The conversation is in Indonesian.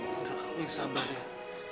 tidak kami sabarlah